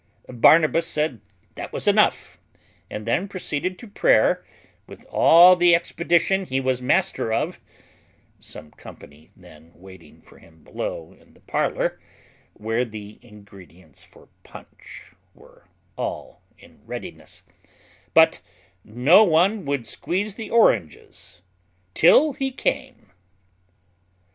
Barnabas said that was enough, and then proceeded to prayer with all the expedition he was master of, some company then waiting for him below in the parlour, where the ingredients for punch were all in readiness; but no one would squeeze the oranges till he came.